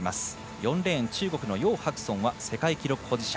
４レーン、中国の楊博尊は世界記録保持者。